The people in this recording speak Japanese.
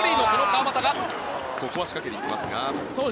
ここは仕掛けに行きますが。